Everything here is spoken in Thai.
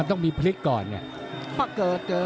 มันต้องมีพลิก